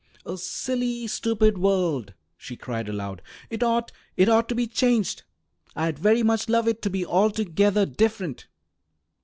"A silly, stupid world!" she cried aloud. "It ought it ought to be changed. I'd very much love it to be altogether different."